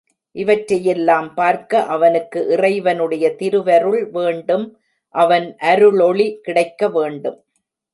இவற்றையெல்லாம் பார்க்க அவனுக்கு இறைவனுடைய திருவருள் வேண்டும் அவன் அருளொளி கிடைக்க வேண்டும்.